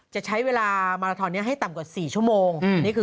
จะใช้เวลามาราทอนนี้ให้ต่ำกว่า๔ชั่วโมง